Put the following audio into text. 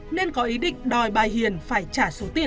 nên có ý định đòi bà hiền phải trả số tiền